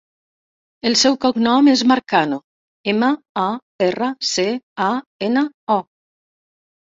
El seu cognom és Marcano: ema, a, erra, ce, a, ena, o.